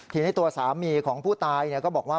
ทีนี้ตัวสามีของผู้ตายก็บอกว่า